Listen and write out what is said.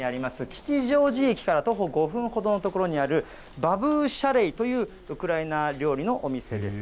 吉祥寺駅から徒歩５分ほどの所にある、バブーシャレイというウクライナ料理のお店です。